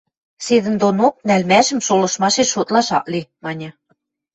Седӹндонок нӓлмӓшӹм шолыштмашеш шотлашат ак ли», – маньы.